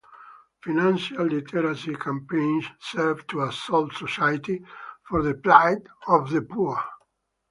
Financial literacy campaigns serve to absolve society for the plight of the poor.